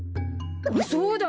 そうだ！